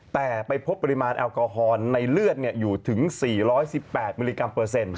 แต่ไปพบปริมาณแอลกอฮอล์ในเลือดอยู่ถึง๔๑๘มิลลิกรัมเปอร์เซ็นต์